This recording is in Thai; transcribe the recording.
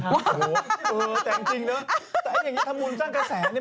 โอ้โฮแต่อย่างนี้ทำบุญสร้างกระแสนี่